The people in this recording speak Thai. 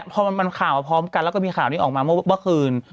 พอมันข่าวมาพร้อมกันแล้วก็มีข่าวนี้ออกมาเมื่อคืน